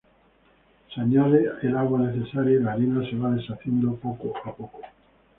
Se añade el agua necesaria, y la harina se va deshaciendo poco a poco.